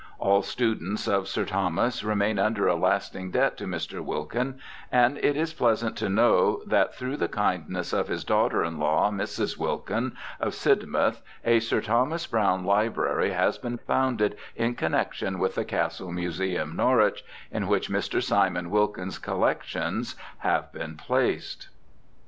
All students of Sir Thomas remain under a lasting debt to Mr. Wilkin, and it is pleasant to know, that through the kindness of his daughter in law, Mrs. Wilkin, of Sidmouth, a Sir Thomas Browne Library has been founded in connexion with the Castle Museum, Norwich, in which Mr. Simon Wilkin's collections have been placed.